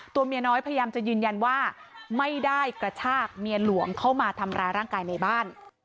เมียน้อยพยายามจะยืนยันว่าไม่ได้กระชากเมียหลวงเข้ามาทำร้ายร่างกายในบ้าน